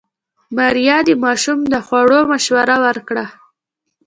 ماريا د ماشوم د خوړو مشوره ورکړه.